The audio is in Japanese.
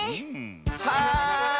はい！